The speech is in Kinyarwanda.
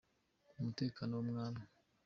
umutekano w’umwami.